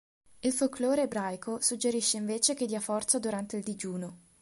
Il folklore ebraico suggerisce invece che dia forza durante il digiuno.